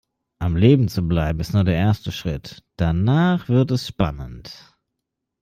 Am Leben zu bleiben ist nur der erste Schritt, danach wird es spannend.